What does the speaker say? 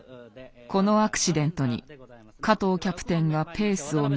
このアクシデントに加藤キャプテンがペースを乱す。